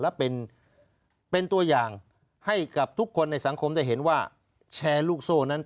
และเป็นตัวอย่างให้กับทุกคนในสังคมได้เห็นว่าแชร์ลูกโซ่นั้น